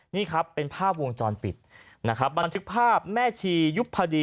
นี่ครับเป็นภาพวงจรปิดนะครับบันทึกภาพแม่ชียุบพดี